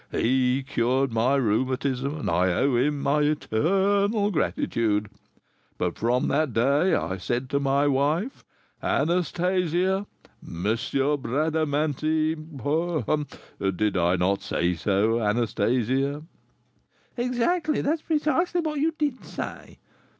he cured my rheumatism, and I owe him my eternal gratitude; but from that day I said to my wife, 'Anastasia, M. Bradamanti' hum! hum! did I not say so, Anastasia?" "Exactly; that is precisely what you did say."